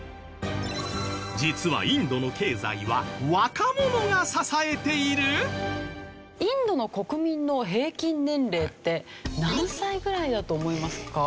実はインドのインドの国民の平均年齢って何歳ぐらいだと思いますか？